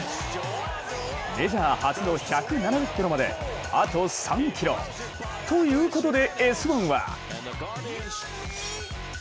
メジャー初の１７０キロまであと３キロ。ということで、「Ｓ☆１」は！？